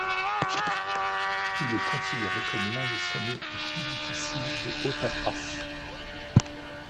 Il est considéré comme l'un des sommets les plus difficiles des Hautes Tatras.